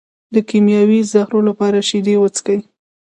د کیمیاوي زهرو لپاره شیدې وڅښئ